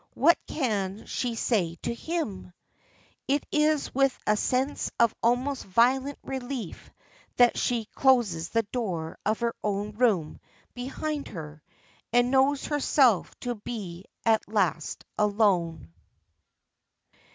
What can she say to him? It is with a sense of almost violent relief that she closes the door of her own room behind her, and knows herself to be at last alone.